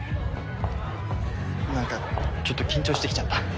何かちょっと緊張してきちゃった。